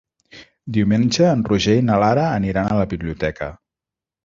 Diumenge en Roger i na Lara aniran a la biblioteca.